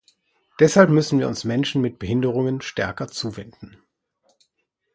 Deshalb müssen wir uns Menschen mit Behinderungen stärker zuwenden.